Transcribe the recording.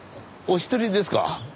お一人ですか？